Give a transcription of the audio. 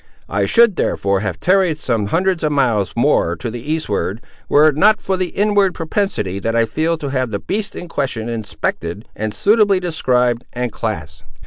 I should, therefore, have tarried some hundreds of miles more to the eastward, were it not for the inward propensity that I feel to have the beast in question inspected and suitably described and classed.